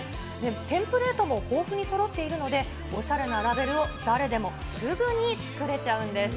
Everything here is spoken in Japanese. テンプレートも豊富にそろっているので、おしゃれなラベルを誰でもすぐに作れちゃうんです。